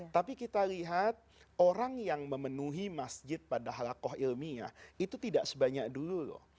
tapi kita lihat orang yang memenuhi masjid pada halakoh ilmiah itu tidak sebanyak dulu loh